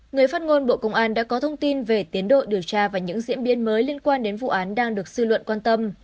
người phát ngôn bộ công an đã có thông tin về tiến độ điều tra và những diễn biến mới liên quan đến vụ án đang được sư luận quan tâm